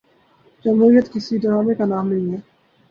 جمہوریت کسی ڈرامے کا نام نہیں ہے۔